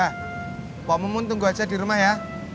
pak mumun tunggu aja di rumah ya